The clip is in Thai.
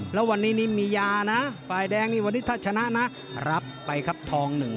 แล้ววันนี้นี่มียานะฝ่ายแดงนี่วันนี้ถ้าชนะนะรับไปครับทองหนึ่ง